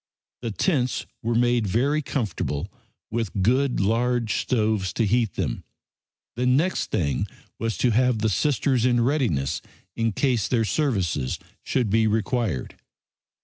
The tents were made very comfortable, with good large stoves to heat them. The next thing was to have the Sisters in readiness in case their services should be required.